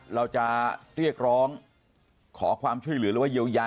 เราจะเรียกร้องขอความช่วยเหลือหรือว่าเยียวยา